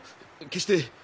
決して。